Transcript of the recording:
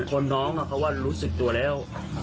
คนน้องเขาว่ารู้สึกตัวแล้ว